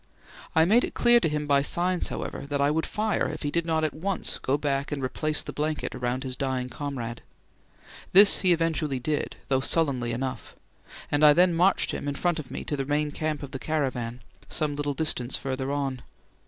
I made it clear to him by signs, however, that I would fire if he did not at once go back and replace the blanket round his dying comrade. This he eventually did, though sullenly enough, and I then marched him in front of me to the main camp of the caravan, some little distance further on.